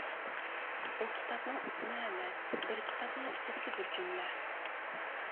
ئۇ كىتابنىڭ ئىسمى ئەمەس، بىر كىتابنىڭ ئىچىدىكى بىر جۈملە.